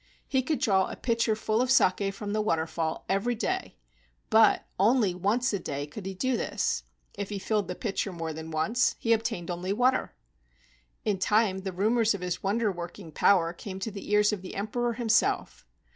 He could draw a pitcher full of saki from the waterfall every day, but only once a day could he do this. If he filled the pitcher more than once, he obtained only water. In time the rumors of his wonder¬ working power came to the ears of the Emperor himself.